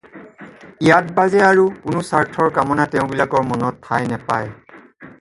ইয়াত বাজে আৰু কোনো স্বাৰ্থৰ কামনা তেওঁবিলাকৰ মনত ঠাই নেপায়।